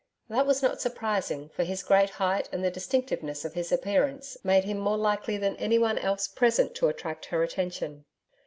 That was not surprising, for his great height and the distinctiveness of his appearance, made him more likely than anyone else present to attract her attention.